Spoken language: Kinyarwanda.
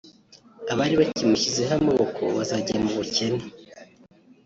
Abari bakimushyizeho amaboko bazajya mu bukene